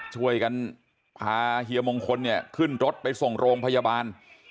ช่วยกันพาเฮียมงคลเนี่ยขึ้นรถไปส่งโรงพยาบาล